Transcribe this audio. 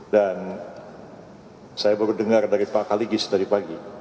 dan saya baru dengar dari pak kaligis tadi pagi